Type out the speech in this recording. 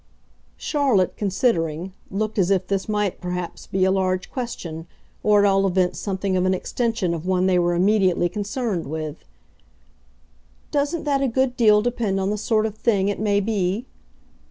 Charlotte, considering, looked as if this might perhaps be a large question, or at all events something of an extension of one they were immediately concerned with. "Doesn't that a good deal depend on the sort of thing it may be?"